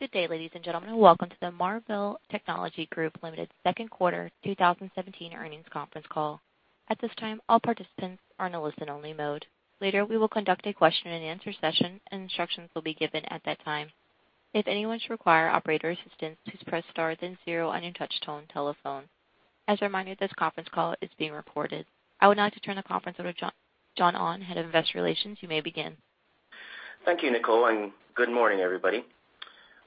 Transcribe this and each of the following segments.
Good day, ladies and gentlemen. Welcome to the Marvell Technology Group Limited second quarter 2017 earnings conference call. At this time, all participants are in a listen-only mode. Later, we will conduct a question and answer session, and instructions will be given at that time. If anyone should require operator assistance, please press star then zero on your touch tone telephone. As a reminder, this conference call is being recorded. I would now like to turn the conference over to John Ahn, head of Investor Relations. You may begin. Thank you, Nicole, and good morning, everybody.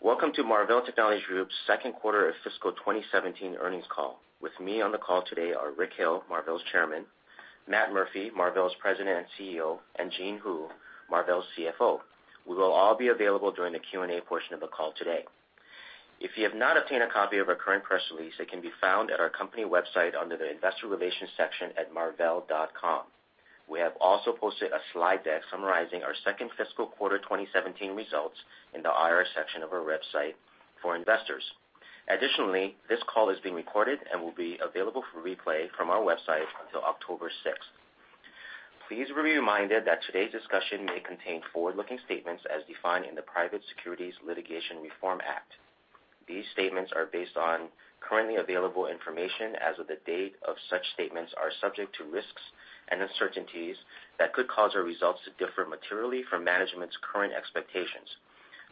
Welcome to Marvell Technology Group's second quarter of fiscal 2017 earnings call. With me on the call today are Rick Hill, Marvell's chairman, Matt Murphy, Marvell's president and CEO, and Jean Hu, Marvell's CFO. We will all be available during the Q&A portion of the call today. If you have not obtained a copy of our current press release, it can be found at our company website under the Investor Relations section at marvell.com. We have also posted a slide deck summarizing our second fiscal quarter 2017 results in the IR section of our website for investors. Additionally, this call is being recorded and will be available for replay from our website until October 6th. Please be reminded that today's discussion may contain forward-looking statements as defined in the Private Securities Litigation Reform Act. These statements are based on currently available information as of the date of such statements are subject to risks and uncertainties that could cause our results to differ materially from management's current expectations.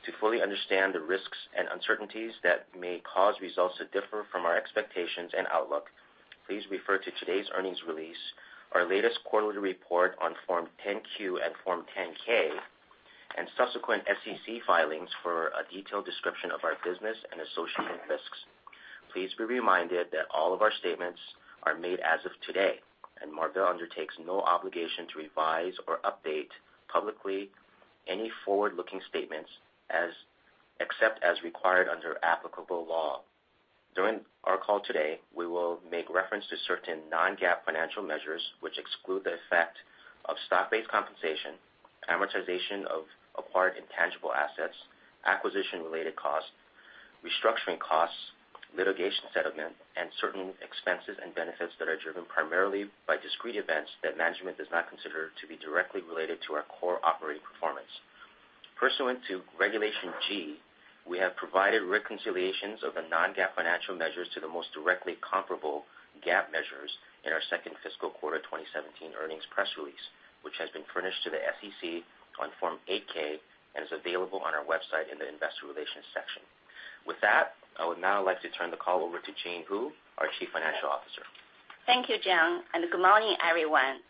To fully understand the risks and uncertainties that may cause results to differ from our expectations and outlook, please refer to today's earnings release, our latest quarterly report on Form 10-Q and Form 10-K, and subsequent SEC filings for a detailed description of our business and associated risks. Please be reminded that all of our statements are made as of today, and Marvell undertakes no obligation to revise or update publicly any forward-looking statements except as required under applicable law. During our call today, we will make reference to certain non-GAAP financial measures, which exclude the effect of stock-based compensation, amortization of acquired intangible assets, acquisition-related costs, restructuring costs, litigation settlement, and certain expenses and benefits that are driven primarily by discrete events that management does not consider to be directly related to our core operating performance. Pursuant to Regulation G, we have provided reconciliations of the non-GAAP financial measures to the most directly comparable GAAP measures in our second fiscal quarter 2017 earnings press release, which has been furnished to the SEC on Form 8-K and is available on our website in the Investor Relations section. With that, I would now like to turn the call over to Jean Hu, our chief financial officer. Thank you, John. Good morning, everyone.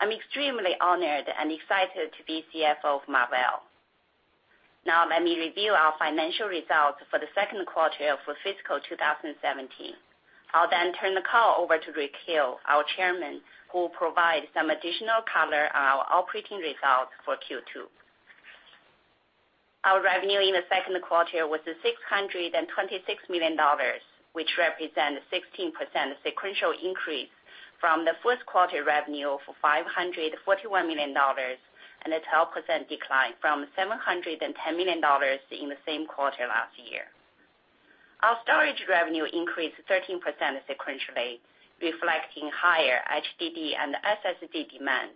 I'm extremely honored and excited to be CFO of Marvell. Let me review our financial results for the second quarter for fiscal 2017. I'll turn the call over to Rick Hill, our chairman, who will provide some additional color on our operating results for Q2. Our revenue in the second quarter was $626 million, which represent a 16% sequential increase from the first quarter revenue of $541 million and a 12% decline from $710 million in the same quarter last year. Our storage revenue increased 13% sequentially, reflecting higher HDD and SSD demand.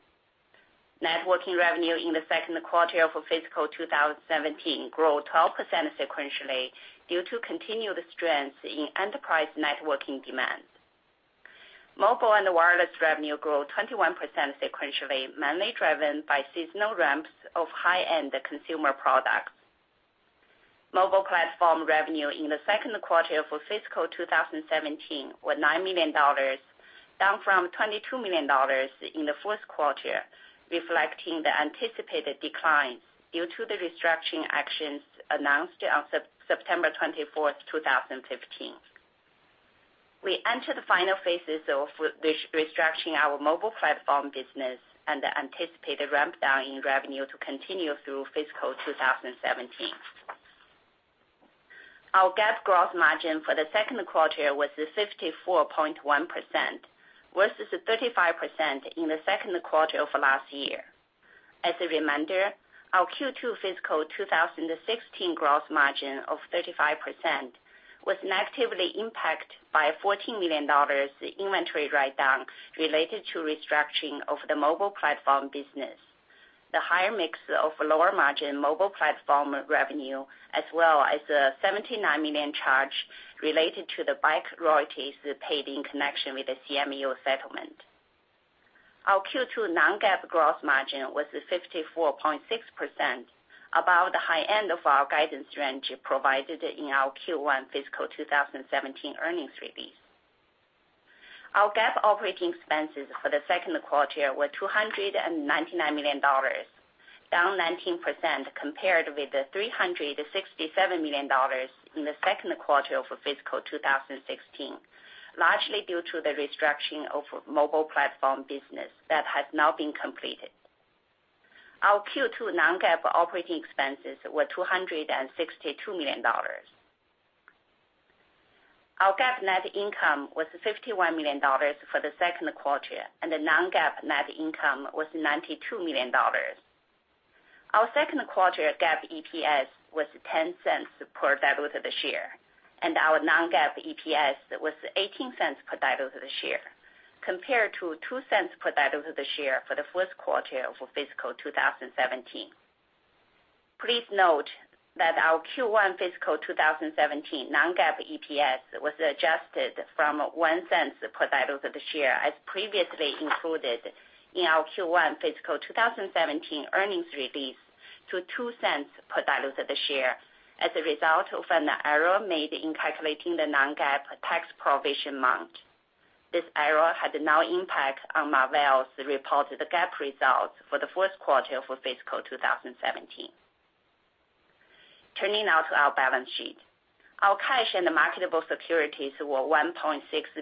Networking revenue in the second quarter for fiscal 2017 grew 12% sequentially due to continued strength in enterprise networking demand. Mobile and wireless revenue grew 21% sequentially, mainly driven by seasonal ramps of high-end consumer products. Mobile platform revenue in the second quarter for fiscal 2017 was $9 million, down from $22 million in the first quarter, reflecting the anticipated decline due to the restructuring actions announced on September 24th, 2015. We entered the final phases of restructuring our mobile platform business and anticipate the ramp down in revenue to continue through fiscal 2017. Our GAAP gross margin for the second quarter was 54.1% versus 35% in the second quarter of last year. As a reminder, our Q2 fiscal 2016 gross margin of 35% was negatively impacted by a $14 million inventory write-down related to restructuring of the mobile platform business. The higher mix of lower margin mobile platform revenue as well as a $79 million charge related to the IP royalties paid in connection with the CMU settlement. Our Q2 non-GAAP gross margin was 54.6%, about the high end of our guidance range provided in our Q1 fiscal 2017 earnings release. Our GAAP operating expenses for the second quarter were $299 million, down 19% compared with the $367 million in the second quarter for fiscal 2016, largely due to the restructuring of mobile platform business that has now been completed. Our Q2 non-GAAP operating expenses were $262 million. Our GAAP net income was $51 million for the second quarter, and the non-GAAP net income was $92 million. Our second quarter GAAP EPS was $0.10 per diluted share. Our non-GAAP EPS was $0.18 per diluted share, compared to $0.02 per diluted share for the first quarter of fiscal 2017. Please note that our Q1 fiscal 2017 non-GAAP EPS was adjusted from $0.01 per diluted share, as previously included in our Q1 fiscal 2017 earnings release, to $0.02 per diluted share as a result of an error made in calculating the non-GAAP tax provision amount. This error had no impact on Marvell's reported GAAP results for the first quarter of fiscal 2017. Turning to our balance sheet. Our cash and marketable securities were $1.6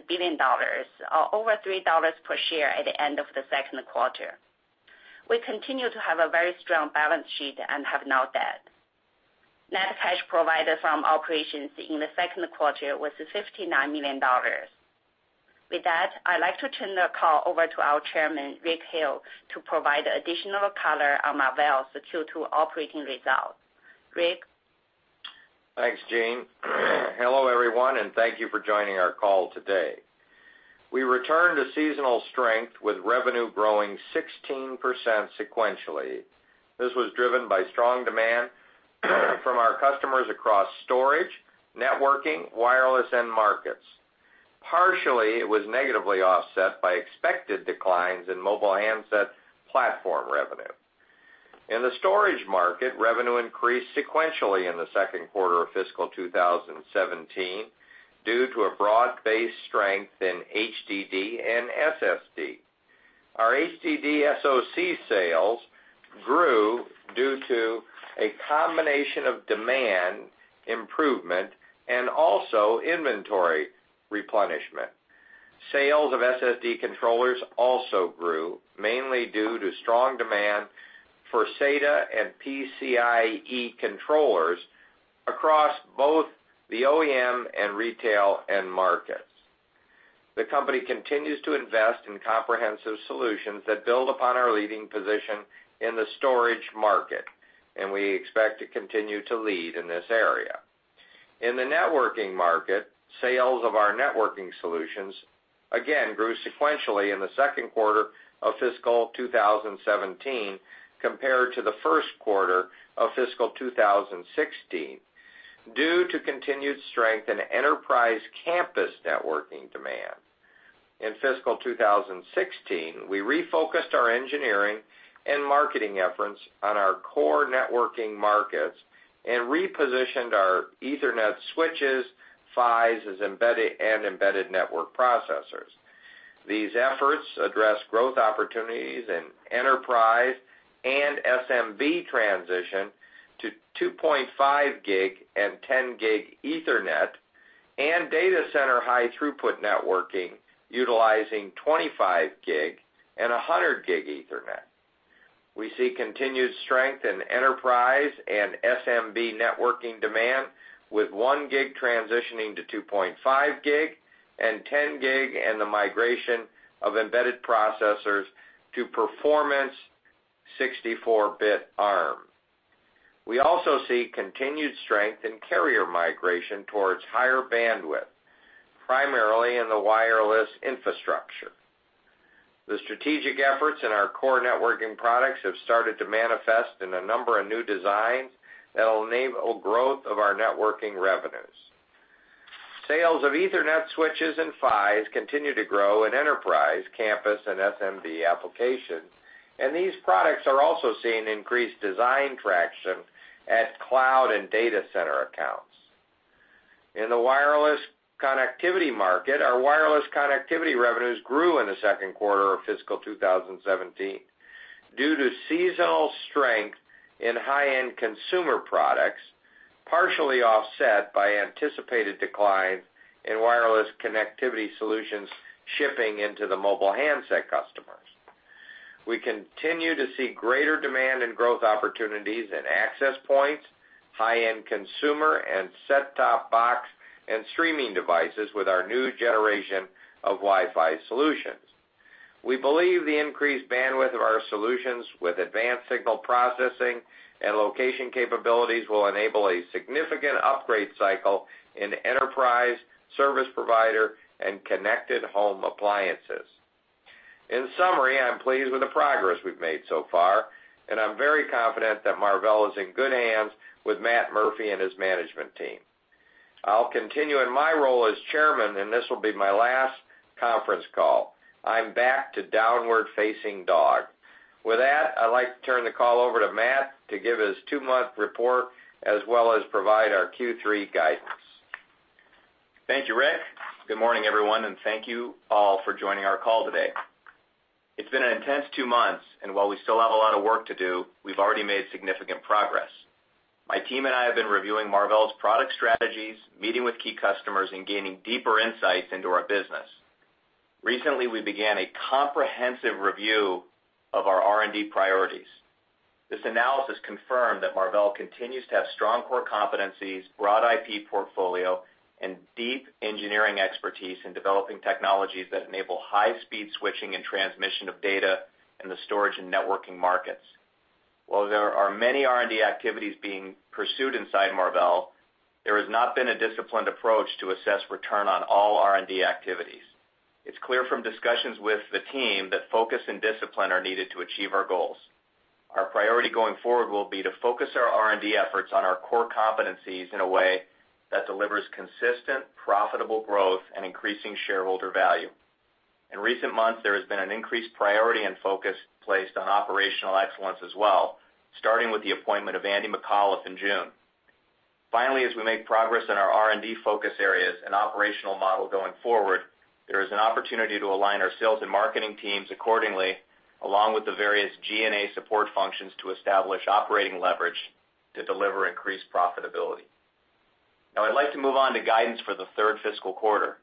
billion, or over $3 per share at the end of the second quarter. We continue to have a very strong balance sheet and have no debt. Net cash provided from operations in the second quarter was $59 million. With that, I'd like to turn the call over to our chairman, Rick Hill, to provide additional color on Marvell's Q2 operating results. Rick? Thanks, Jean. Hello, everyone, and thank you for joining our call today. We returned to seasonal strength with revenue growing 16% sequentially. This was driven by strong demand from our customers across storage, networking, wireless, end markets. Partially, it was negatively offset by expected declines in mobile handset platform revenue. In the storage market, revenue increased sequentially in the second quarter of fiscal 2017 due to a broad-based strength in HDD and SSD. Our HDD SOC sales grew due to a combination of demand improvement and also inventory replenishment. Sales of SSD controllers also grew, mainly due to strong demand for SATA and PCIe controllers across both the OEM and retail end markets. The company continues to invest in comprehensive solutions that build upon our leading position in the storage market, and we expect to continue to lead in this area. In the networking market, sales of our networking solutions, again, grew sequentially in the second quarter of fiscal 2017 compared to the first quarter of fiscal 2017 due to continued strength in enterprise campus networking demand. In fiscal 2016, we refocused our engineering and marketing efforts on our core networking markets and repositioned our Ethernet switches, PHYs, and embedded network processors. These efforts address growth opportunities in enterprise and SMB transition to 2.5 gig and 10 gig Ethernet and data center high-throughput networking utilizing 25 gig and 100 gig Ethernet. We see continued strength in enterprise and SMB networking demand with 1 gig transitioning to 2.5 gig and 10 gig and the migration of embedded processors to performance 64-bit ARM. We also see continued strength in carrier migration towards higher bandwidth, primarily in the wireless infrastructure. The strategic efforts in our core networking products have started to manifest in a number of new designs that will enable growth of our networking revenues. Sales of Ethernet switches and PHYs continue to grow in enterprise, campus, and SMB applications, and these products are also seeing increased design traction at cloud and data center accounts. In the wireless connectivity market, our wireless connectivity revenues grew in the second quarter of fiscal 2017 due to seasonal strength in high-end consumer products, partially offset by anticipated declines in wireless connectivity solutions shipping into the mobile handset customers. We continue to see greater demand and growth opportunities in access points, high-end consumer and set-top box and streaming devices with our new generation of Wi-Fi solutions. We believe the increased bandwidth of our solutions with advanced signal processing and location capabilities will enable a significant upgrade cycle in enterprise, service provider, and connected home appliances. In summary, I'm pleased with the progress we've made so far, and I'm very confident that Marvell is in good hands with Matt Murphy and his management team. I'll continue in my role as chairman, and this will be my last conference call. I'm back to downward-facing dog. With that, I'd like to turn the call over to Matt to give his two-month report as well as provide our Q3 guidance. Thank you, Rick. Good morning, everyone, and thank you all for joining our call today. It's been an intense two months, and while we still have a lot of work to do, we've already made significant progress. My team and I have been reviewing Marvell's product strategies, meeting with key customers, and gaining deeper insights into our business. Recently, we began a comprehensive review of our R&D priorities. This analysis confirmed that Marvell continues to have strong core competencies, broad IP portfolio, and deep engineering expertise in developing technologies that enable high-speed switching and transmission of data in the storage and networking markets. While there are many R&D activities being pursued inside Marvell, there has not been a disciplined approach to assess return on all R&D activities. It's clear from discussions with the team that focus and discipline are needed to achieve our goals. Our priority going forward will be to focus our R&D efforts on our core competencies in a way that delivers consistent, profitable growth and increasing shareholder value. In recent months, there has been an increased priority and focus placed on operational excellence as well, starting with the appointment of Andy Micallef in June. Finally, as we make progress in our R&D focus areas and operational model going forward, there is an opportunity to align our sales and marketing teams accordingly, along with the various G&A support functions, to establish operating leverage to deliver increased profitability. I'd like to move on to guidance for the third fiscal quarter.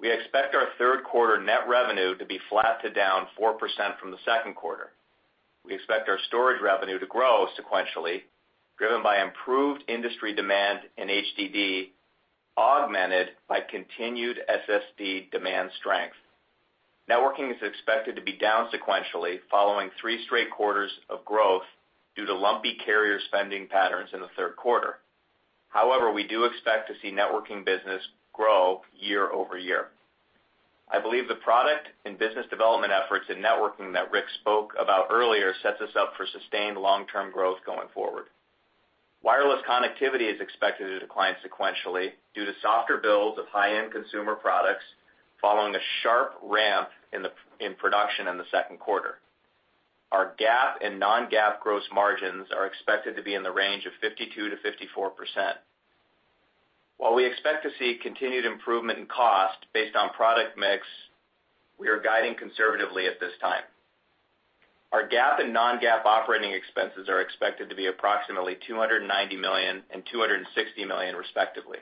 We expect our third quarter net revenue to be flat to down 4% from the second quarter. We expect our storage revenue to grow sequentially, driven by improved industry demand in HDD, augmented by continued SSD demand strength. Networking is expected to be down sequentially, following three straight quarters of growth due to lumpy carrier spending patterns in the third quarter. However, we do expect to see networking business grow year-over-year. I believe the product and business development efforts in networking that Rick spoke about earlier sets us up for sustained long-term growth going forward. Wireless connectivity is expected to decline sequentially due to softer builds of high-end consumer products following a sharp ramp in production in the second quarter. Our GAAP and non-GAAP gross margins are expected to be in the range of 52%-54%. While we expect to see continued improvement in cost based on product mix, we are guiding conservatively at this time. Our GAAP and non-GAAP operating expenses are expected to be approximately $290 million and $260 million, respectively.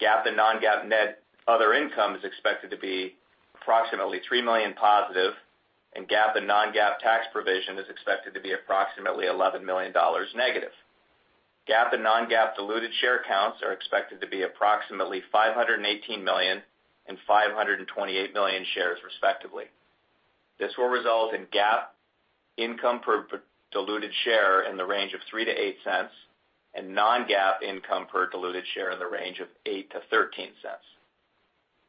GAAP and non-GAAP net other income is expected to be approximately $3 million positive, and GAAP and non-GAAP tax provision is expected to be approximately $11 million negative. GAAP and non-GAAP diluted share counts are expected to be approximately 518 million and 528 million shares, respectively. This will result in GAAP income per diluted share in the range of $0.03-$0.08 and non-GAAP income per diluted share in the range of $0.08-$0.13.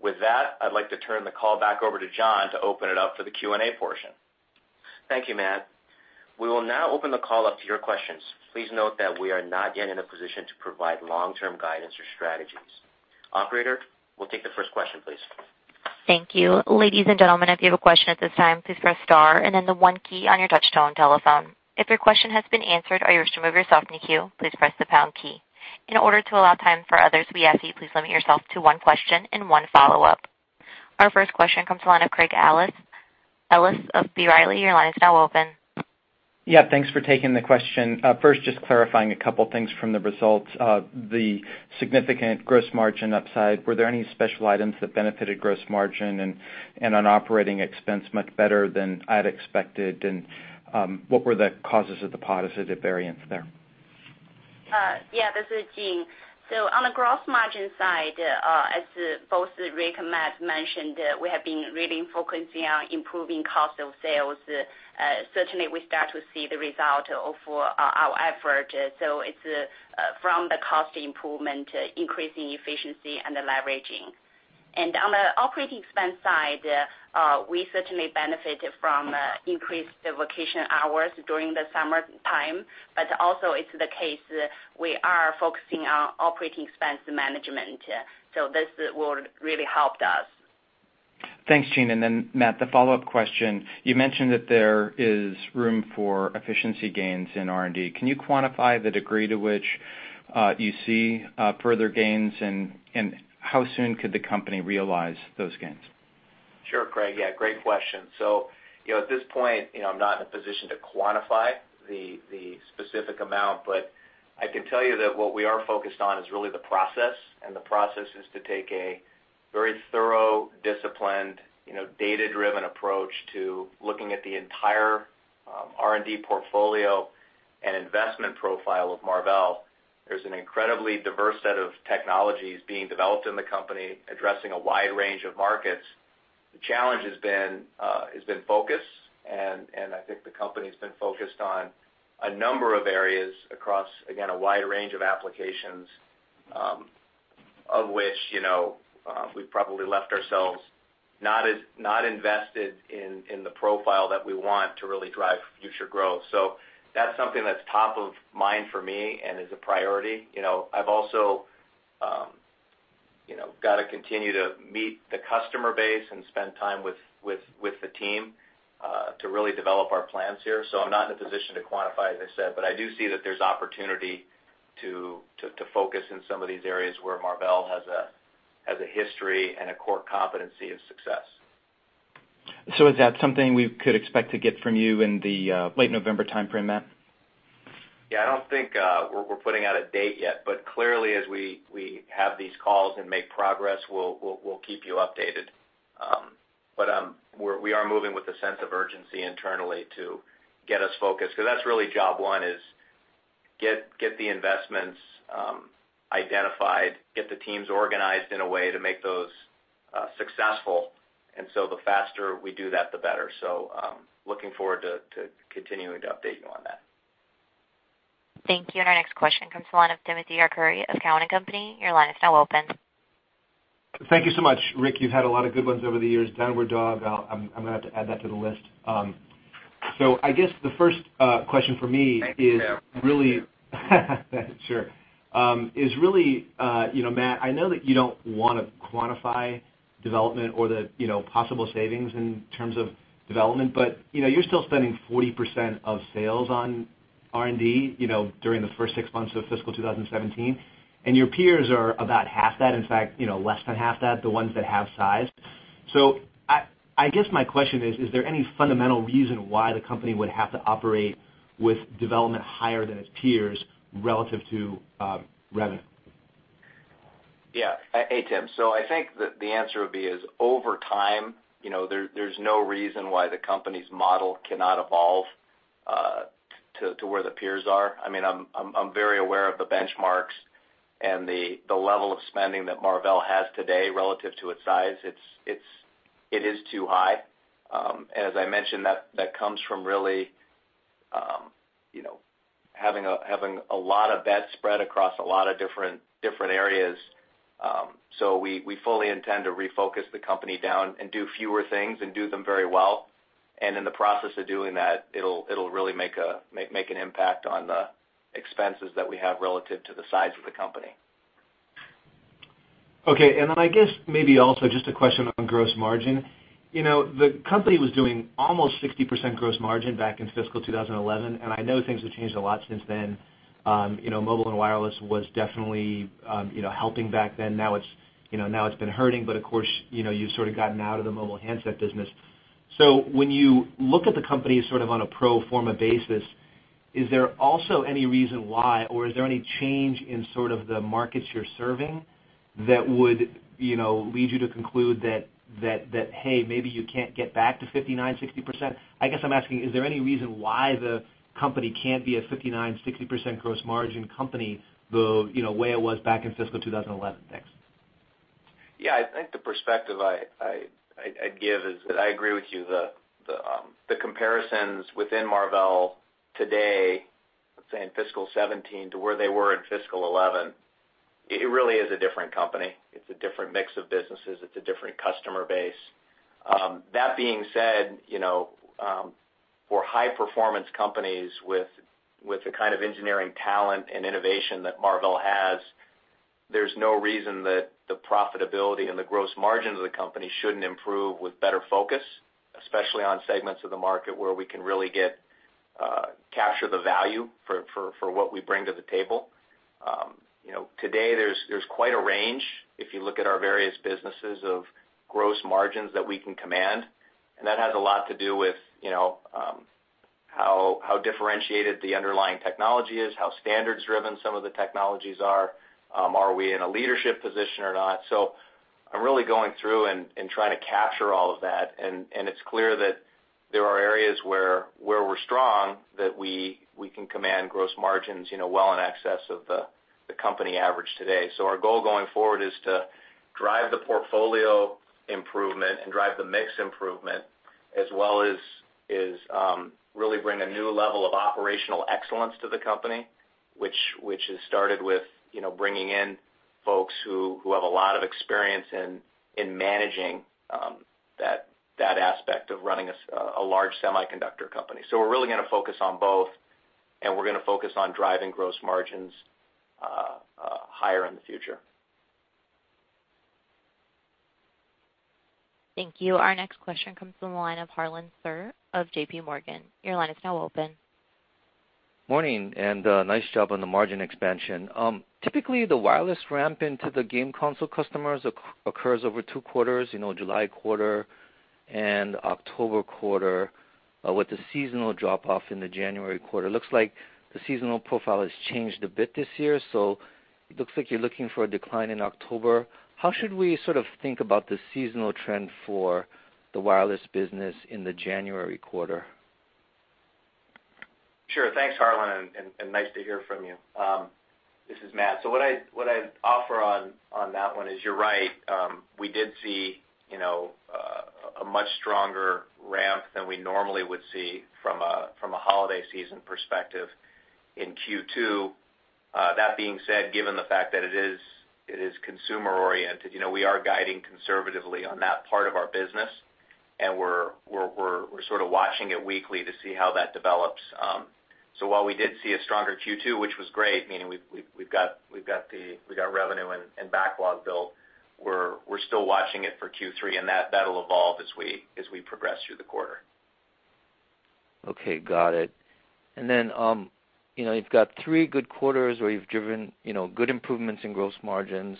With that, I'd like to turn the call back over to John to open it up for the Q&A portion. Thank you, Matt. We will now open the call up to your questions. Please note that we are not yet in a position to provide long-term guidance or strategies. Operator, we will take the first question, please. Thank you. Ladies and gentlemen, if you have a question at this time, please press star and then the 1 key on your touchtone telephone. If your question has been answered or you wish to remove yourself from the queue, please press the pound key. In order to allow time for others, we ask that you please limit yourself to 1 question and 1 follow-up. Our first question comes the line of Craig Ellis of B. Riley, your line is now open. Yeah, thanks for taking the question. First, just clarifying a couple things from the results. The significant gross margin upside, were there any special items that benefited gross margin and on operating expense much better than I had expected, and what were the causes of the positive variance there? Yeah, this is Jean. On the gross margin side, as both Rick and Matt mentioned, we have been really focusing on improving cost of sales. Certainly, we start to see the result of our effort. It is from the cost improvement, increasing efficiency and the leveraging. On the operating expense side, we certainly benefited from increased vacation hours during the summertime, but also it is the case, we are focusing on operating expense management. This is what really helped us. Thanks, Jean. Then Matt, the follow-up question. You mentioned that there is room for efficiency gains in R&D. Can you quantify the degree to which you see further gains, and how soon could the company realize those gains? Sure, Craig. Yeah, great question. At this point, I'm not in a position to quantify the specific amount, but I can tell you that what we are focused on is really the process, and the process is to take a very thorough, disciplined, data-driven approach to looking at the entire R&D portfolio and investment profile of Marvell. There's an incredibly diverse set of technologies being developed in the company, addressing a wide range of markets. The challenge has been focus, and I think the company's been focused on a number of areas across, again, a wide range of applications, of which we've probably left ourselves not invested in the profile that we want to really drive future growth. That's something that's top of mind for me and is a priority. I've also got to continue to meet the customer base and spend time with the team to really develop our plans here. I'm not in a position to quantify, as I said, but I do see that there's opportunity to focus in some of these areas where Marvell has a history and a core competency of success. Is that something we could expect to get from you in the late November timeframe, Matt? Yeah, I don't think we're putting out a date yet. Clearly, as we have these calls and make progress, we'll keep you updated. We are moving with a sense of urgency internally to get us focused, because that's really job one is Get the investments identified, get the teams organized in a way to make those successful. The faster we do that, the better. Looking forward to continuing to update you on that. Thank you. Our next question comes to the line of Timothy Arcuri of Cowen and Company. Your line is now open. Thank you so much, Rick. You've had a lot of good ones over the years. Downward dog, I'm going to have to add that to the list. I guess the first question for me is really sure. Matt, I know that you don't want to quantify development or the possible savings in terms of development, you're still spending 40% of sales on R&D during the first six months of fiscal 2017, and your peers are about half that. In fact, less than half that, the ones that have size. I guess my question is there any fundamental reason why the company would have to operate with development higher than its peers relative to revenue? Yeah. Hey, Tim. I think that the answer would be is over time, there's no reason why the company's model cannot evolve to where the peers are. I'm very aware of the benchmarks and the level of spending that Marvell has today relative to its size. It is too high. As I mentioned, that comes from really having a lot of bets spread across a lot of different areas. We fully intend to refocus the company down and do fewer things and do them very well. In the process of doing that, it'll really make an impact on the expenses that we have relative to the size of the company. Okay. I guess maybe also just a question on gross margin. The company was doing almost 60% gross margin back in fiscal 2011. I know things have changed a lot since then. Mobile and wireless was definitely helping back then. Now it's been hurting, but of course, you've sort of gotten out of the mobile handset business. When you look at the company sort of on a pro forma basis, is there also any reason why, or is there any change in sort of the markets you're serving that would lead you to conclude that, hey, maybe you can't get back to 59%-60%? I guess I'm asking, is there any reason why the company can't be a 59%-60% gross margin company the way it was back in fiscal 2011? Thanks. Yeah. I think the perspective I'd give is that I agree with you. The comparisons within Marvell today, let's say in fiscal 2017, to where they were in fiscal 2011, it really is a different company. It's a different mix of businesses. It's a different customer base. That being said, for high-performance companies with the kind of engineering talent and innovation that Marvell has, there's no reason that the profitability and the gross margins of the company shouldn't improve with better focus, especially on segments of the market where we can really capture the value for what we bring to the table. Today, there's quite a range, if you look at our various businesses of gross margins that we can command. That has a lot to do with how differentiated the underlying technology is, how standards-driven some of the technologies are. Are we in a leadership position or not? I'm really going through and trying to capture all of that. It's clear that there are areas where we're strong that we can command gross margins well in excess of the company average today. Our goal going forward is to drive the portfolio improvement and drive the mix improvement, as well as really bring a new level of operational excellence to the company, which has started with bringing in folks who have a lot of experience in managing that aspect of running a large semiconductor company. We're really going to focus on both, and we're going to focus on driving gross margins higher in the future. Thank you. Our next question comes from the line of Harlan Sur of JP Morgan. Your line is now open. Morning. Nice job on the margin expansion. Typically, the wireless ramp into the game console customers occurs over two quarters, July quarter and October quarter, with the seasonal drop-off in the January quarter. Looks like the seasonal profile has changed a bit this year. You're looking for a decline in October. How should we sort of think about the seasonal trend for the wireless business in the January quarter? Sure. Thanks, Harlan, and nice to hear from you. This is Matt. What I'd offer on that one is you're right. We did see a much stronger ramp than we normally would see from a holiday season perspective in Q2. That being said, given the fact that it is consumer-oriented, we are guiding conservatively on that part of our business, and we're sort of watching it weekly to see how that develops. While we did see a stronger Q2, which was great, meaning we've got revenue and backlog built, we're still watching it for Q3. That'll evolve as we progress through the quarter. Okay, got it. You've got three good quarters where you've driven good improvements in gross margins,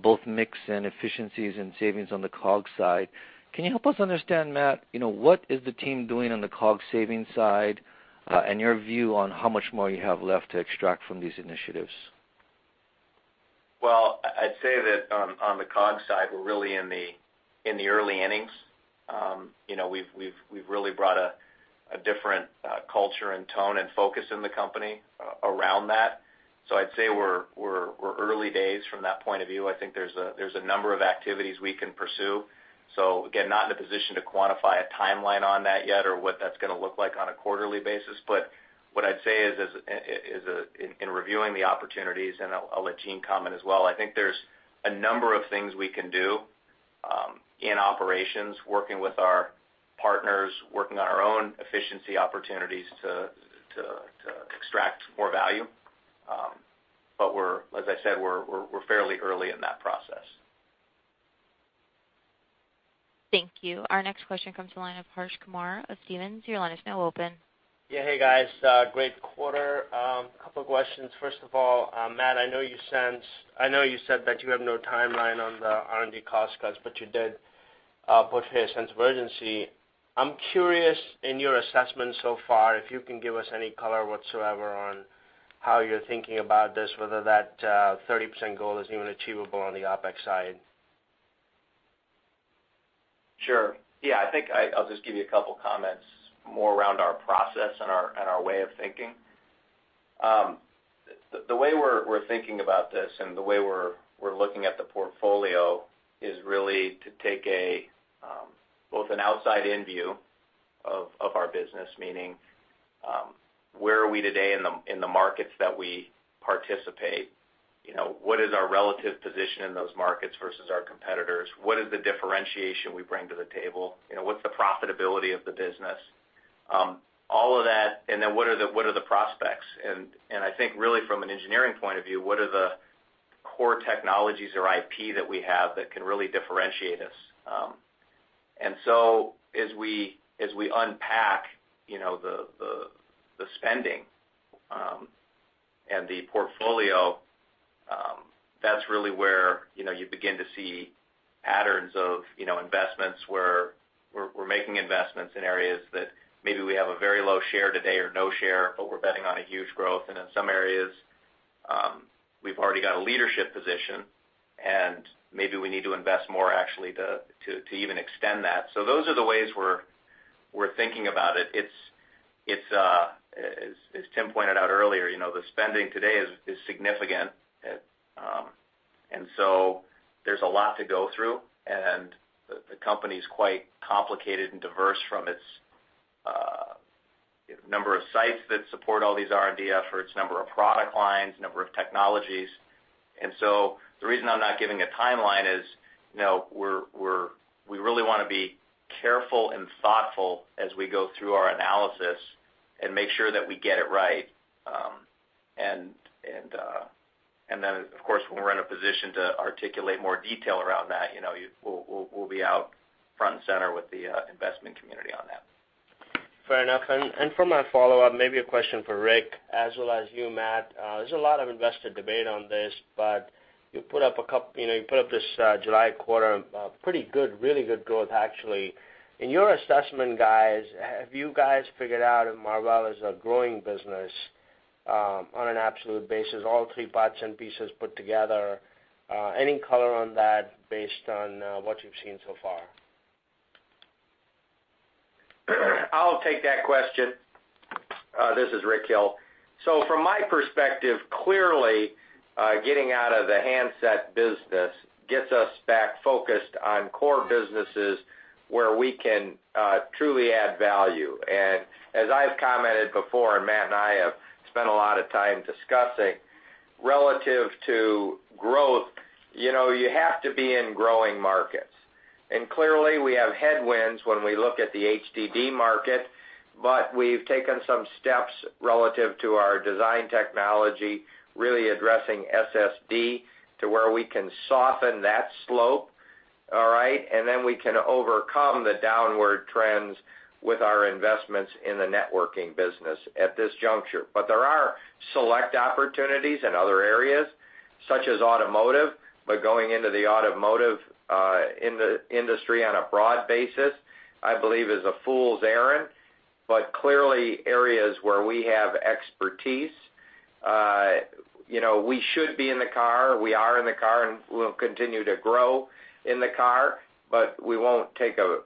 both mix and efficiencies and savings on the COGS side. Can you help us understand, Matt, what is the team doing on the COGS savings side and your view on how much more you have left to extract from these initiatives? Well, I'd say that on the COGS side, we're really in the early innings. We've really brought a different culture and tone and focus in the company around that. I'd say we're early days from that point of view. I think there's a number of activities we can pursue. Again, not in a position to quantify a timeline on that yet or what that's going to look like on a quarterly basis. What I'd say is, in reviewing the opportunities, and I'll let Jean comment as well, I think there's a number of things we can do in operations, working with our partners, working on our own efficiency opportunities to extract more value. As I said, we're fairly early in that process. Thank you. Our next question comes the line of Harsh Kumar of Stephens. Your line is now open. Yeah. Hey, guys. Great quarter. Couple of questions. First of all, Matt, I know you said that you have no timeline on the R&D cost cuts, but you did portray a sense of urgency. I'm curious in your assessment so far, if you can give us any color whatsoever on how you're thinking about this, whether that 30% goal is even achievable on the OpEx side. Sure. Yeah. I think I'll just give you a couple of comments more around our process and our way of thinking. The way we're thinking about this and the way we're looking at the portfolio is really to take both an outside-in view of our business, meaning, where are we today in the markets that we participate? What is our relative position in those markets versus our competitors? What is the differentiation we bring to the table? What's the profitability of the business? All of that. What are the prospects? I think really from an engineering point of view, what are the core technologies or IP that we have that can really differentiate us? As we unpack the spending and the portfolio, that's really where you begin to see patterns of investments, where we're making investments in areas that maybe we have a very low share today or no share, but we're betting on a huge growth. In some areas, we've already got a leadership position, and maybe we need to invest more, actually, to even extend that. Those are the ways we're thinking about it. As Tim pointed out earlier, the spending today is significant, and so there's a lot to go through, and the company's quite complicated and diverse from its number of sites that support all these R&D efforts, number of product lines, number of technologies. The reason I'm not giving a timeline is we really want to be careful and thoughtful as we go through our analysis and make sure that we get it right. Of course, when we're in a position to articulate more detail around that, we'll be out front and center with the investment community on that. Fair enough. For my follow-up, maybe a question for Rick as well as you, Matt. There's a lot of investor debate on this, but you put up this July quarter, pretty good, really good growth, actually. In your assessment, guys, have you guys figured out if Marvell is a growing business on an absolute basis, all three parts and pieces put together? Any color on that based on what you've seen so far? I'll take that question. This is Rick Hill. From my perspective, clearly, getting out of the handset business gets us back focused on core businesses where we can truly add value. As I've commented before, Matt and I have spent a lot of time discussing, relative to growth, you have to be in growing markets. Clearly, we have headwinds when we look at the HDD market, but we've taken some steps relative to our design technology, really addressing SSD to where we can soften that slope. All right? Then we can overcome the downward trends with our investments in the networking business at this juncture. There are select opportunities in other areas, such as automotive, but going into the automotive industry on a broad basis, I believe is a fool's errand. Clearly, areas where we have expertise. We should be in the car, we are in the car, and we'll continue to grow in the car, but we won't take a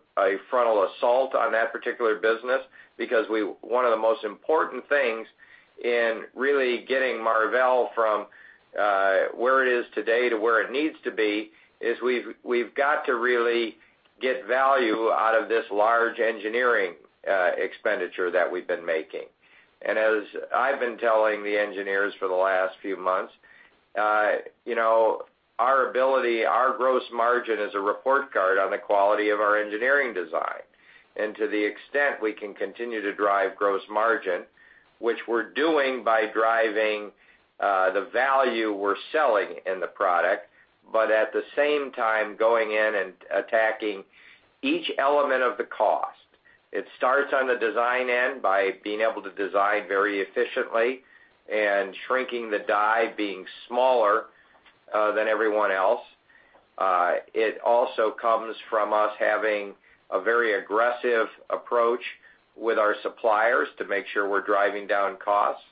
frontal assault on that particular business because one of the most important things in really getting Marvell from where it is today to where it needs to be is we've got to really get value out of this large engineering expenditure that we've been making. As I've been telling the engineers for the last few months, our gross margin is a report card on the quality of our engineering design. To the extent we can continue to drive gross margin, which we're doing by driving the value we're selling in the product, but at the same time, going in and attacking each element of the cost. It starts on the design end by being able to design very efficiently and shrinking the die, being smaller than everyone else. It also comes from us having a very aggressive approach with our suppliers to make sure we're driving down costs.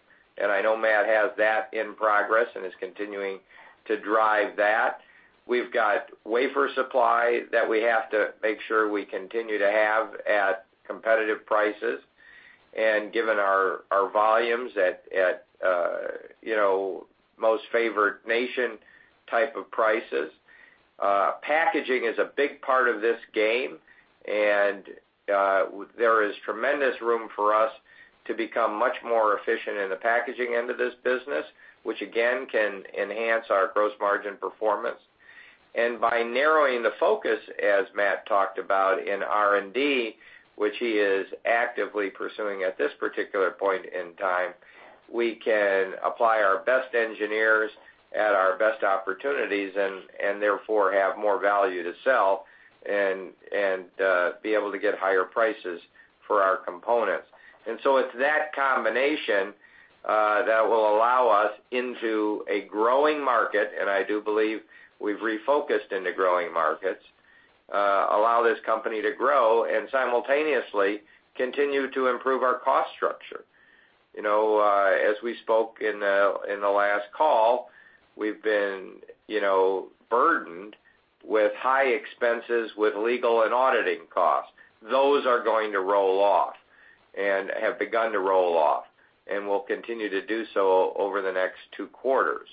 I know Matt has that in progress and is continuing to drive that. We've got wafer supply that we have to make sure we continue to have at competitive prices, and given our volumes at most favored nation type of prices. Packaging is a big part of this game, and there is tremendous room for us to become much more efficient in the packaging end of this business, which again, can enhance our gross margin performance. By narrowing the focus, as Matt talked about in R&D, which he is actively pursuing at this particular point in time, we can apply our best engineers at our best opportunities and therefore have more value to sell and be able to get higher prices for our components. It's that combination that will allow us into a growing market, and I do believe we've refocused into growing markets, allow this company to grow and simultaneously continue to improve our cost structure. As we spoke in the last call, we've been burdened with high expenses, with legal and auditing costs. Those are going to roll off and have begun to roll off and will continue to do so over the next two quarters.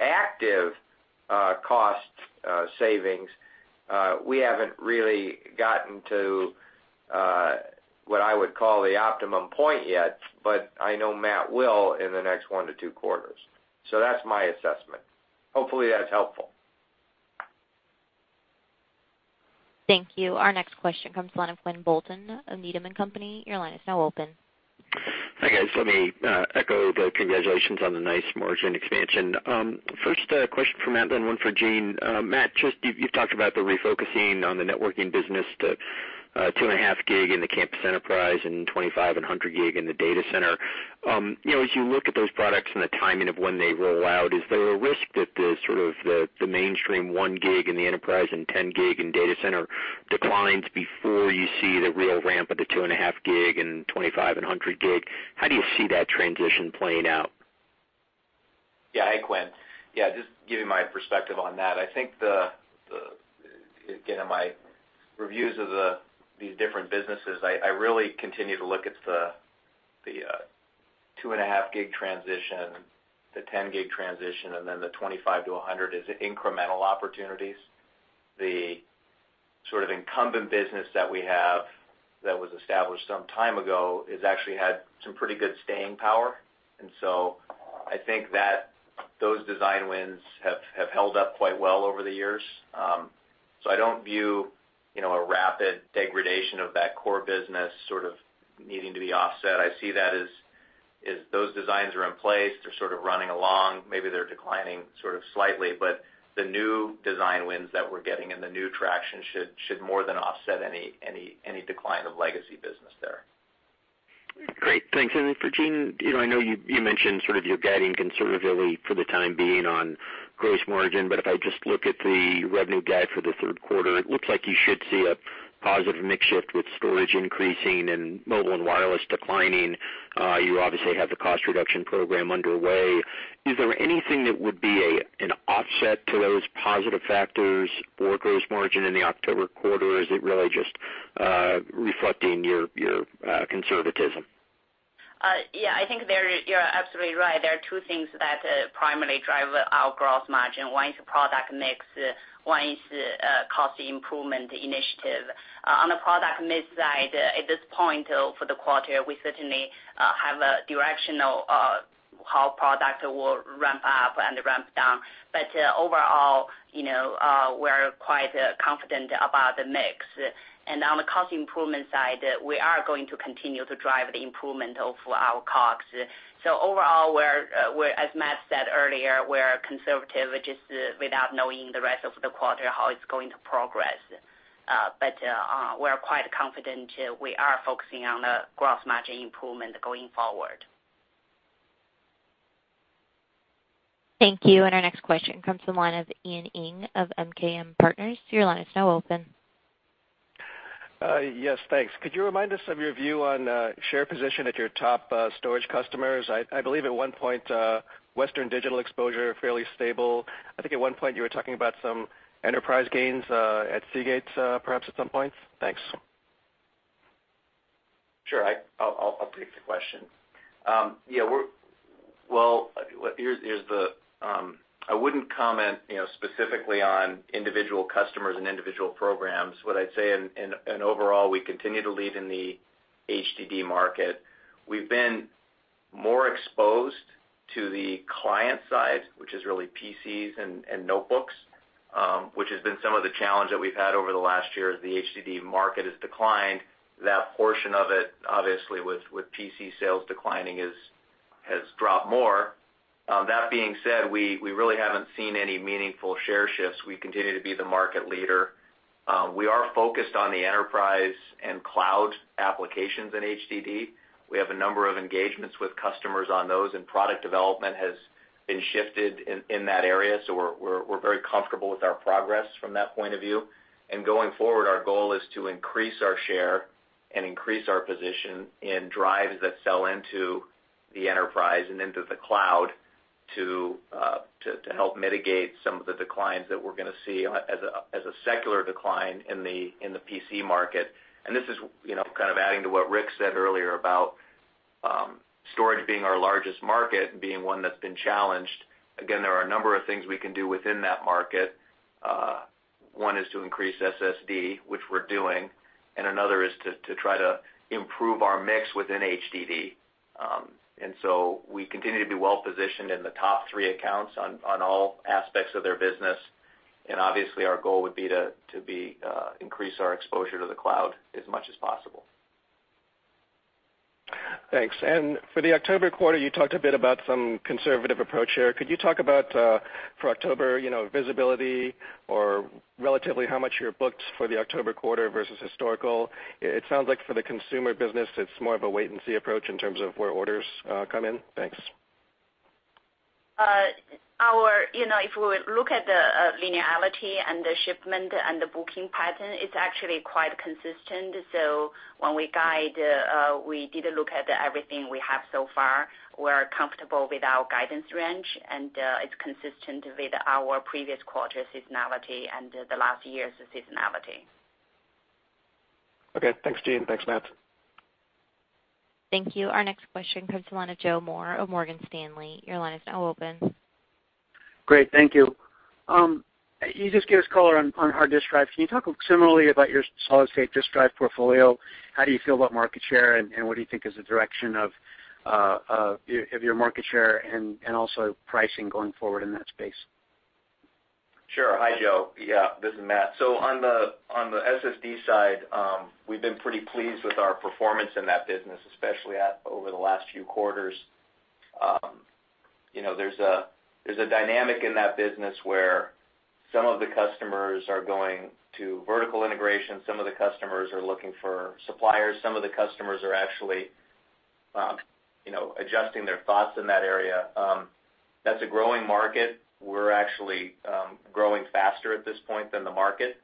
Active cost savings, we haven't really gotten to what I would call the optimum point yet, but I know Matt will in the next one to two quarters. That's my assessment. Hopefully, that's helpful. Thank you. Our next question comes the line of Quinn Bolton of Needham & Company. Your line is now open. Hi, guys. Let me echo the congratulations on the nice margin expansion. First question for Matt Murphy, then one for Jean Hu. Matt Murphy, you've talked about the refocusing on the networking business to two and a half gig in the campus enterprise and 25 and 100 gig in the data center. As you look at those products and the timing of when they roll out, is there a risk that the mainstream one gig in the enterprise and 10 gig in data center declines before you see the real ramp of the two and a half gig and 25 and 100 gig? How do you see that transition playing out? Hi, Quinn Bolton. Just giving my perspective on that. I think, again, in my reviews of these different businesses, I really continue to look at the two and a half gig transition, the 10 gig transition, and then the 25 to 100 as incremental opportunities. The sort of incumbent business that we have that was established some time ago has actually had some pretty good staying power. I think that those design wins have held up quite well over the years. I don't view a rapid degradation of that core business sort of needing to be offset. I see that as those designs are in place, they're sort of running along. Maybe they're declining sort of slightly, but the new design wins that we're getting and the new traction should more than offset any decline of legacy business there. Great. Thanks. For Jean Hu, I know you mentioned sort of you're guiding conservatively for the time being on gross margin, but if I just look at the revenue guide for the third quarter, it looks like you should see a positive mix shift with storage increasing and mobile and wireless declining. You obviously have the cost reduction program underway. Is there anything that would be an offset to those positive factors for gross margin in the October quarter, or is it really just reflecting your conservatism? I think you're absolutely right. There are two things that primarily drive our gross margin. One is the product mix, one is cost improvement initiative. On the product mix side, at this point for the quarter, we certainly have a direction of how product will ramp up and ramp down. Overall, we're quite confident about the mix. On the cost improvement side, we are going to continue to drive the improvement of our COGS. Overall, as Matt Murphy said earlier, we're conservative just without knowing the rest of the quarter how it's going to progress. We're quite confident we are focusing on the gross margin improvement going forward. Thank you. Our next question comes from the line of Ian Ing of MKM Partners. Your line is now open. Yes, thanks. Could you remind us of your view on share position at your top storage customers? I believe at one point, Western Digital exposure fairly stable. I think at one point you were talking about some enterprise gains at Seagate perhaps at some point. Thanks. Sure. I'll take the question. I wouldn't comment specifically on individual customers and individual programs. What I'd say, overall, we continue to lead in the HDD market. We've been more exposed to the client side, which is really PCs and notebooks, which has been some of the challenge that we've had over the last year as the HDD market has declined. That portion of it, obviously, with PC sales declining, has dropped more. That being said, we really haven't seen any meaningful share shifts. We continue to be the market leader. We are focused on the enterprise and cloud applications in HDD. We have a number of engagements with customers on those, product development has been shifted in that area. We're very comfortable with our progress from that point of view. Going forward, our goal is to increase our share and increase our position in drives that sell into the enterprise and into the cloud to help mitigate some of the declines that we're going to see as a secular decline in the PC market. This is kind of adding to what Rick said earlier about storage being our largest market and being one that's been challenged. Again, there are a number of things we can do within that market. One is to increase SSD, which we're doing, and another is to try to improve our mix within HDD. We continue to be well-positioned in the top three accounts on all aspects of their business. Obviously, our goal would be to increase our exposure to the cloud as much as possible. Thanks. For the October quarter, you talked a bit about some conservative approach here. Could you talk about for October, visibility or relatively how much you're booked for the October quarter versus historical? It sounds like for the consumer business, it's more of a wait-and-see approach in terms of where orders come in. Thanks. If we look at the linearity and the shipment and the booking pattern, it's actually quite consistent. When we guide, we did look at everything we have so far. We are comfortable with our guidance range. It's consistent with our previous quarter seasonality and the last year's seasonality. Thanks, Jean. Thanks, Matt. Thank you. Our next question comes from the line of Joe Moore of Morgan Stanley. Your line is now open. Great. Thank you. You just gave us color on hard disk drive. Can you talk similarly about your solid-state disk drive portfolio? How do you feel about market share, and what do you think is the direction of your market share and also pricing going forward in that space? Sure. Hi, Joe. Yeah, this is Matt. On the SSD side, we've been pretty pleased with our performance in that business, especially over the last few quarters. There's a dynamic in that business where some of the customers are going to vertical integration, some of the customers are looking for suppliers, some of the customers are actually adjusting their thoughts in that area. That's a growing market. We're actually growing faster at this point than the market.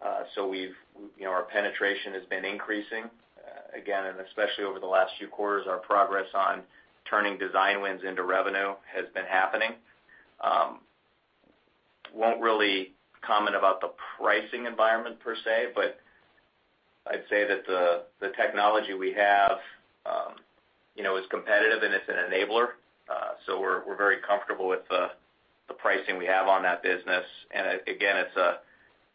Our penetration has been increasing. Again, especially over the last few quarters, our progress on turning design wins into revenue has been happening. Won't really comment about the pricing environment per se, but I'd say that the technology we have is competitive and it's an enabler. We're very comfortable with the pricing we have on that business. Again,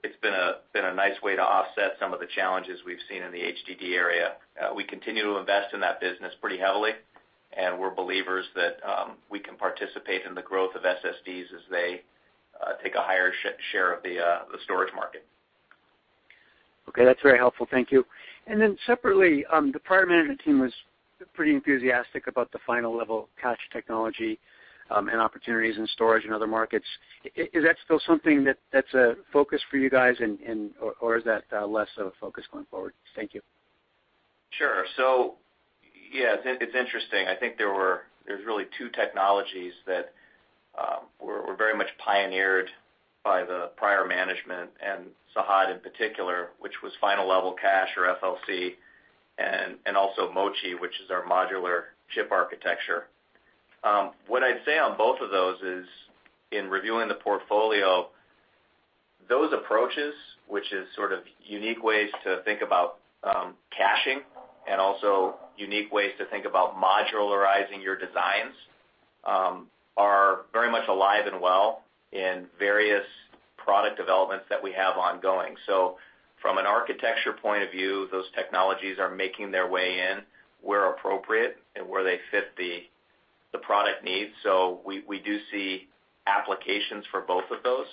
it's been a nice way to offset some of the challenges we've seen in the HDD area. We continue to invest in that business pretty heavily, and we're believers that we can participate in the growth of SSDs as they take a higher share of the storage market. Okay. That's very helpful. Thank you. Separately, the prior management team was pretty enthusiastic about the last level cache technology and opportunities in storage and other markets. Is that still something that's a focus for you guys, or is that less of a focus going forward? Thank you. Sure. Yeah, it's interesting. I think there's really two technologies that were very much pioneered by the prior management and Sehat in particular, which was final level cache or FLC, and also MoChi, which is our modular chip architecture. What I'd say on both of those is in reviewing the portfolio, those approaches, which is sort of unique ways to think about caching and also unique ways to think about modularizing your designs, are very much alive and well in various product developments that we have ongoing. From an architecture point of view, those technologies are making their way in where appropriate and where they fit the product needs. We do see applications for both of those.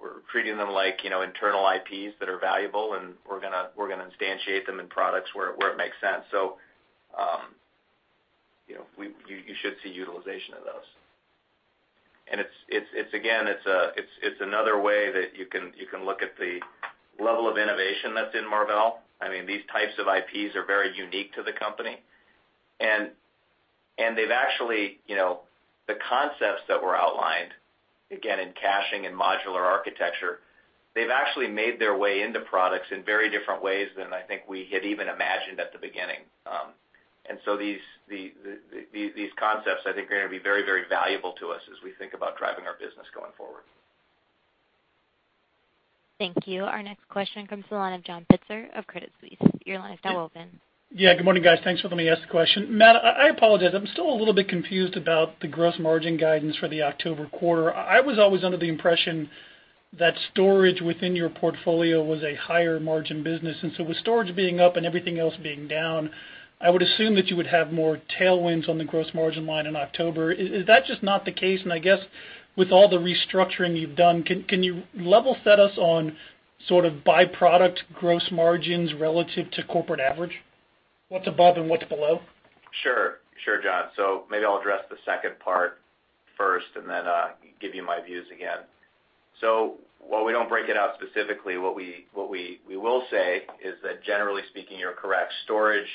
We're treating them like internal IPs that are valuable, and we're going to instantiate them in products where it makes sense. You should see utilization of those. Again, it's another way that you can look at the level of innovation that's in Marvell. These types of IPs are very unique to the company. The concepts that were outlined, again, in caching and modular architecture, they've actually made their way into products in very different ways than I think we had even imagined at the beginning. These concepts I think are going to be very, very valuable to us as we think about driving our business going forward. Thank you. Our next question comes to the line of John Pitzer of Credit Suisse. Your line is now open. Good morning, guys. Thanks for letting me ask the question. Matt, I apologize. I'm still a little bit confused about the gross margin guidance for the October quarter. I was always under the impression that storage within your portfolio was a higher margin business. With storage being up and everything else being down, I would assume that you would have more tailwinds on the gross margin line in October. Is that just not the case? I guess with all the restructuring you've done, can you level set us on sort of by product gross margins relative to corporate average? What's above and what's below? Sure, John. Maybe I'll address the second part first and then give you my views again. While we don't break it out specifically, what we will say is that generally speaking, you're correct. Storage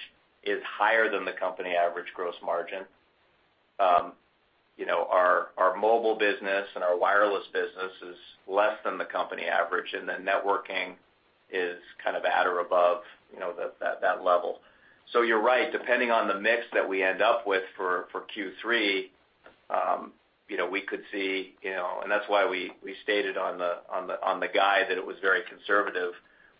is higher than the company average gross margin. Our mobile business and our wireless business is less than the company average, networking is at or above that level. You're right, depending on the mix that we end up with for Q3, we could see, and that's why we stated on the guide that it was very conservative,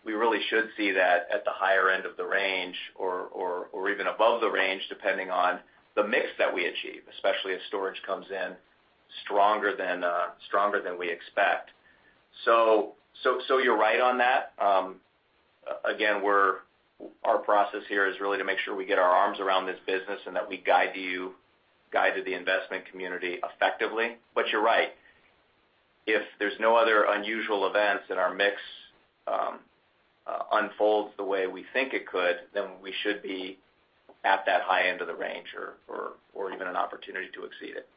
we really should see that at the higher end of the range or even above the range, depending on the mix that we achieve, especially if storage comes in stronger than we expect. You're right on that. Again, our process here is really to make sure we get our arms around this business and that we guide you, guide to the investment community effectively. You're right. If there's no other unusual events and our mix unfolds the way we think it could, we should be at that high end of the range or even an opportunity to exceed it.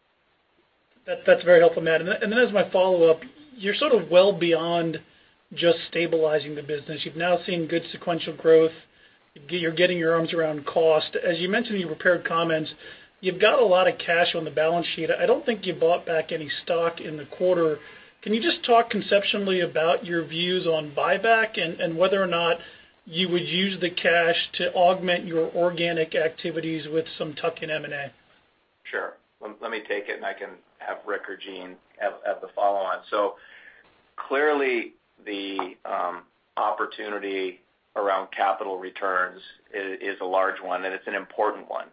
That's very helpful, Matt. As my follow-up, you're sort of well beyond just stabilizing the business. You've now seen good sequential growth. You're getting your arms around cost. As you mentioned in your prepared comments, you've got a lot of cash on the balance sheet. I don't think you bought back any stock in the quarter. Can you just talk conceptually about your views on buyback and whether or not you would use the cash to augment your organic activities with some tuck-in M&A? Sure. Let me take it, and I can have Rick or Jean have the follow-on. Clearly, the opportunity around capital returns is a large one, and it's an important one,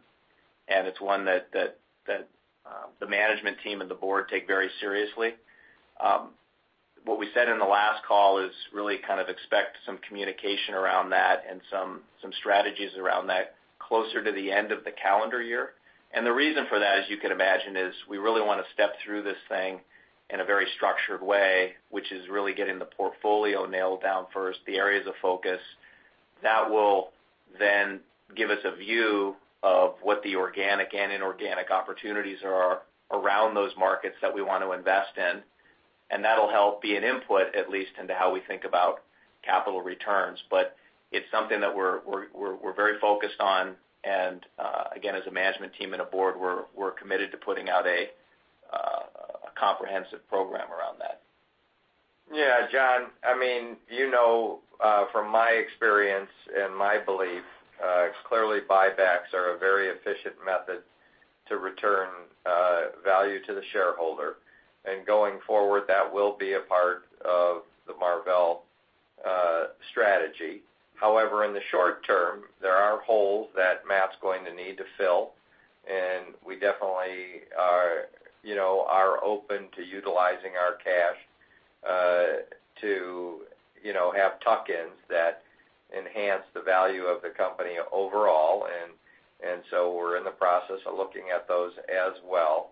and it's one that the management team and the board take very seriously. What we said in the last call is really kind of expect some communication around that and some strategies around that closer to the end of the calendar year. The reason for that, as you can imagine, is we really want to step through this thing in a very structured way, which is really getting the portfolio nailed down first, the areas of focus. That will then give us a view of what the organic and inorganic opportunities are around those markets that we want to invest in, and that'll help be an input, at least, into how we think about capital returns. It's something that we're very focused on, and again, as a management team and a board, we're committed to putting out a comprehensive program around that. Yeah, John, from my experience and my belief, clearly buybacks are a very efficient method to return value to the shareholder. Going forward, that will be a part of the Marvell strategy. However, in the short term, there are holes that Matt's going to need to fill, and we definitely are open to utilizing our cash to have tuck-ins that enhance the value of the company overall. We're in the process of looking at those as well.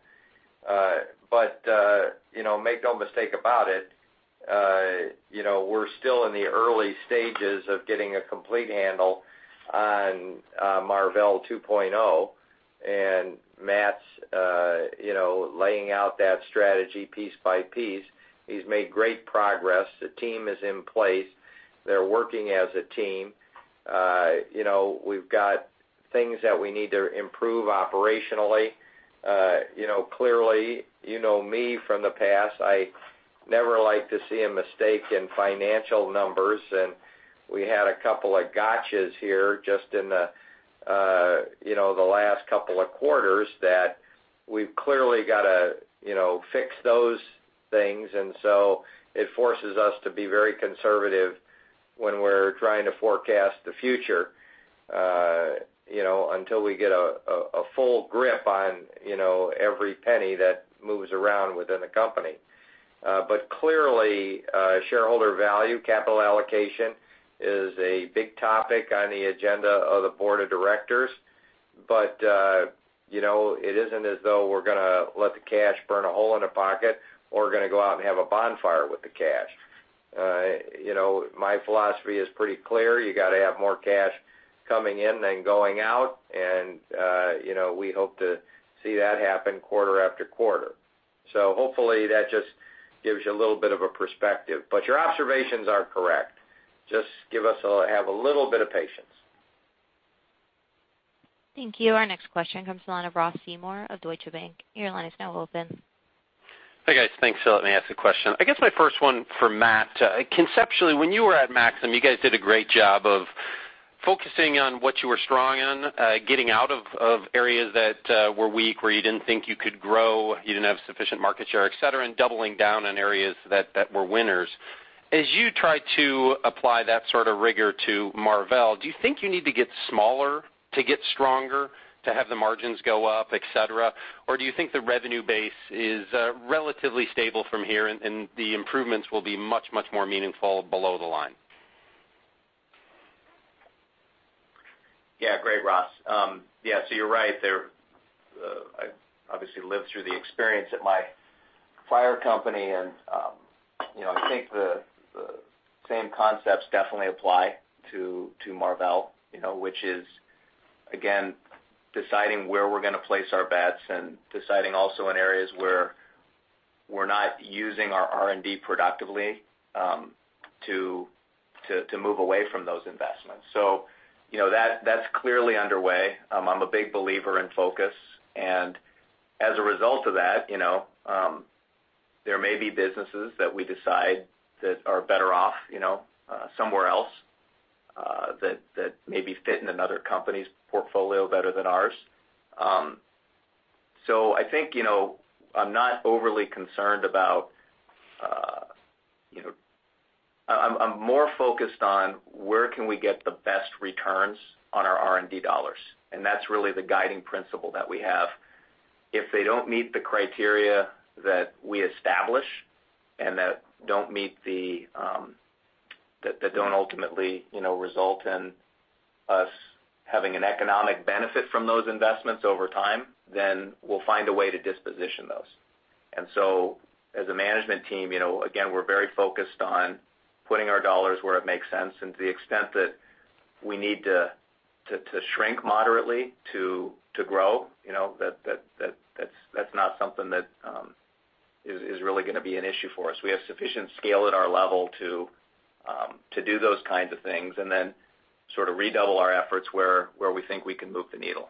Make no mistake about it, we're still in the early stages of getting a complete handle on Marvell 2.0, and Matt's laying out that strategy piece by piece. He's made great progress. The team is in place. They're working as a team. We've got things that we need to improve operationally. Clearly, you know me from the past, I never like to see a mistake in financial numbers, we had a couple of gotchas here just in the last couple of quarters that we've clearly got to fix those things. It forces us to be very conservative when we're trying to forecast the future until we get a full grip on every penny that moves around within the company. Clearly, shareholder value capital allocation is a big topic on the agenda of the board of directors. It isn't as though we're going to let the cash burn a hole in the pocket or we're going to go out and have a bonfire with the cash. My philosophy is pretty clear. You got to have more cash coming in than going out, we hope to see that happen quarter after quarter. Hopefully that just gives you a little bit of a perspective, but your observations are correct. Just have a little bit of patience. Thank you. Our next question comes from the line of Ross Seymore of Deutsche Bank. Your line is now open. Hi, guys. Thanks for letting me ask a question. I guess my first one for Matt. Conceptually, when you were at Maxim, you guys did a great job of focusing on what you were strong in, getting out of areas that were weak, where you didn't think you could grow, you didn't have sufficient market share, et cetera, and doubling down on areas that were winners. As you try to apply that sort of rigor to Marvell, do you think you need to get smaller to get stronger, to have the margins go up, et cetera? Or do you think the revenue base is relatively stable from here and the improvements will be much, much more meaningful below the line? Yeah, great, Ross. You're right there. I've obviously lived through the experience at my prior company and I think the same concepts definitely apply to Marvell. Which is, again, deciding where we're going to place our bets and deciding also in areas where we're not using our R&D productively to move away from those investments. That's clearly underway. I'm a big believer in focus and as a result of that there may be businesses that we decide that are better off somewhere else, that maybe fit in another company's portfolio better than ours. I think, I'm more focused on where can we get the best returns on our R&D dollars, and that's really the guiding principle that we have. If they don't meet the criteria that we establish and that don't ultimately result in us having an economic benefit from those investments over time, then we'll find a way to disposition those. As a management team, again, we're very focused on putting our dollars where it makes sense and to the extent that we need to shrink moderately to grow, that's not something that is really going to be an issue for us. We have sufficient scale at our level to do those kinds of things and then sort of redouble our efforts where we think we can move the needle.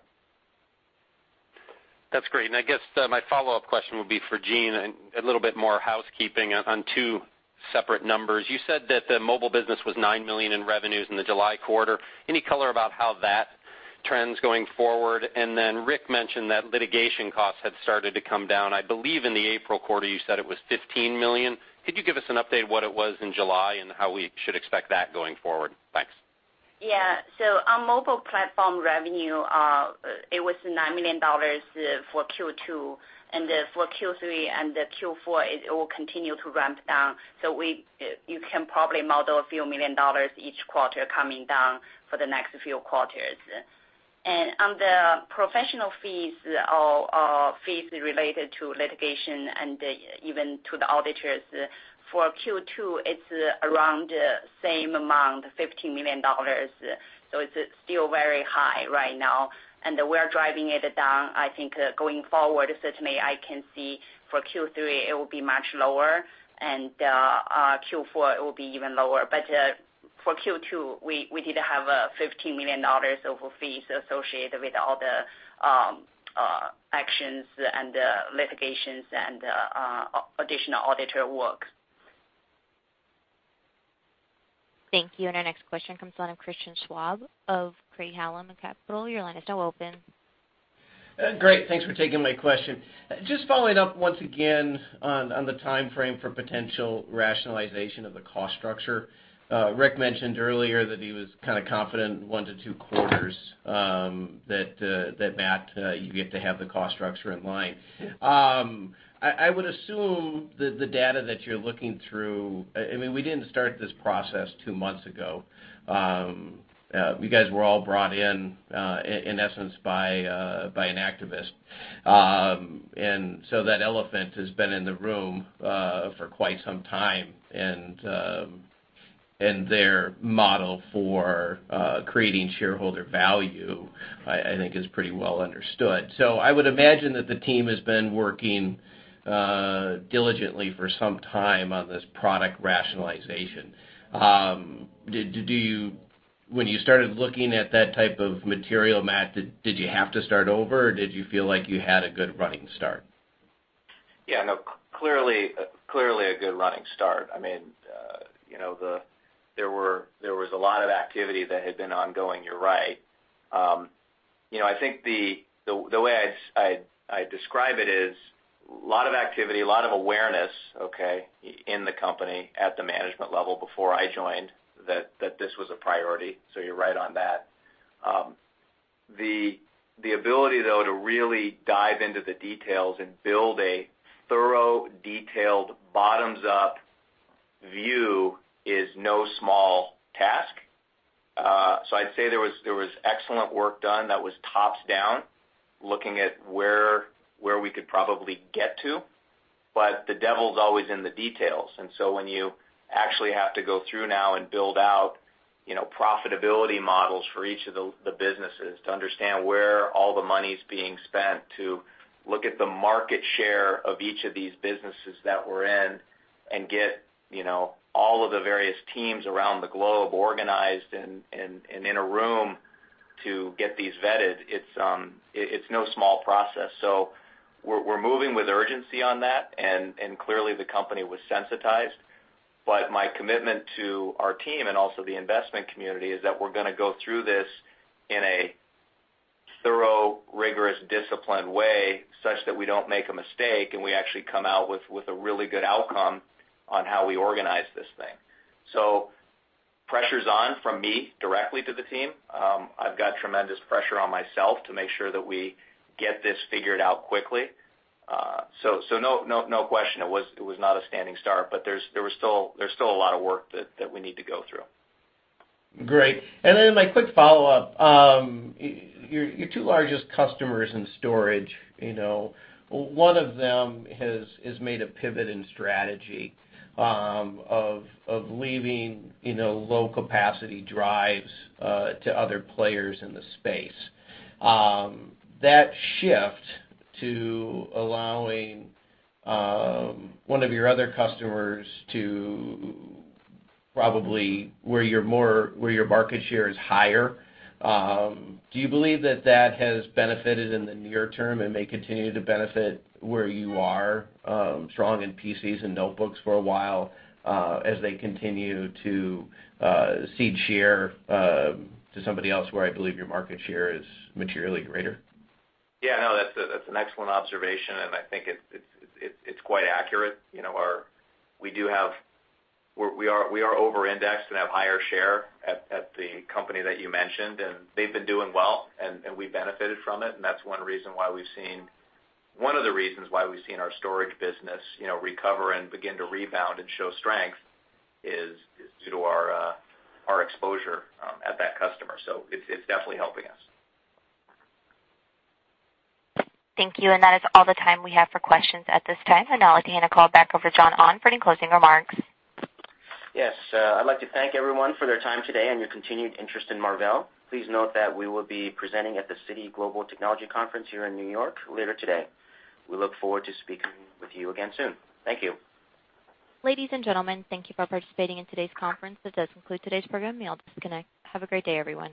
That's great. I guess my follow-up question would be for Jean, a little bit more housekeeping on two separate numbers. You said that the mobile business was $9 million in revenues in the July quarter. Any color about how that trend's going forward? Then Rick mentioned that litigation costs had started to come down. I believe in the April quarter you said it was $15 million. Could you give us an update what it was in July and how we should expect that going forward? Thanks. On mobile platform revenue, it was $9 million for Q2, then for Q3 and Q4 it will continue to ramp down. You can probably model a few million dollars each quarter coming down for the next few quarters. On the professional fees or fees related to litigation and even to the auditors, for Q2 it's around same amount, $15 million. It's still very high right now, and we're driving it down. I think going forward, certainly I can see for Q3 it will be much lower, and Q4 it will be even lower. For Q2, we did have $15 million of fees associated with all the actions and the litigations and additional auditor work. Thank you. Our next question comes from the line of Christian Schwab of Craig-Hallum Capital. Your line is now open. Great. Thanks for taking my question. Just following up once again on the timeframe for potential rationalization of the cost structure. Rick mentioned earlier that he was kind of confident 1-2 quarters that, Matt, you get to have the cost structure in line. I would assume that the data that you're looking through, we didn't start this process two months ago. You guys were all brought in essence by an activist. That elephant has been in the room for quite some time. Their model for creating shareholder value, I think is pretty well understood. I would imagine that the team has been working diligently for some time on this product rationalization. When you started looking at that type of material, Matt, did you have to start over or did you feel like you had a good running start? Yeah, no, clearly a good running start. There was a lot of activity that had been ongoing, you're right. I think the way I describe it is, lot of activity, lot of awareness, okay, in the company at the management level before I joined that this was a priority. You're right on that. The ability though to really dive into the details and build a thorough, detailed bottoms-up view is no small task. I'd say there was excellent work done that was tops down, looking at where we could probably get to. The devil's always in the details. When you actually have to go through now and build out profitability models for each of the businesses to understand where all the money's being spent, to look at the market share of each of these businesses that we're in and get all of the various teams around the globe organized and in a room to get these vetted, it's no small process. We're moving with urgency on that, and clearly the company was sensitized. My commitment to our team and also the investment community is that we're going to go through this in a thorough, rigorous, disciplined way such that we don't make a mistake and we actually come out with a really good outcome on how we organize this thing. Pressure's on from me directly to the team. I've got tremendous pressure on myself to make sure that we get this figured out quickly. No question, it was not a standing start, there's still a lot of work that we need to go through. Great. My quick follow-up. Your two largest customers in storage, one of them has made a pivot in strategy of leaving low capacity drives to other players in the space. That shift to allowing one of your other customers to probably where your market share is higher, do you believe that that has benefited in the near term and may continue to benefit where you are strong in PCs and notebooks for a while, as they continue to cede share to somebody else where I believe your market share is materially greater? That's an excellent observation, and I think it's quite accurate. We are over-indexed and have higher share at the company that you mentioned, and they've been doing well, and we benefited from it, and that's one of the reasons why we've seen our storage business recover and begin to rebound and show strength is due to our exposure at that customer. It's definitely helping us. Thank you. That is all the time we have for questions at this time. Now I'd like to hand the call back over to John Ahn for any closing remarks. I'd like to thank everyone for their time today and your continued interest in Marvell. Please note that we will be presenting at the Citi Global Technology Conference here in New York later today. We look forward to speaking with you again soon. Thank you. Ladies and gentlemen, thank you for participating in today's conference. This does conclude today's program. You may disconnect. Have a great day, everyone.